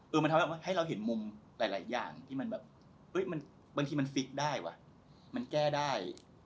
มันทำให้เราเห็นมุมหลายอย่างที่มันแบบบางทีมันฟิกได้ว่ะมันแก้ได้